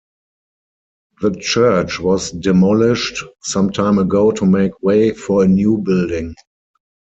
The church was demolished some time ago to make way for a new building.